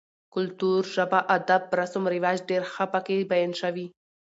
کلتور, ژبه ، اداب، رسم رواج ډېر ښه پکې بيان شوي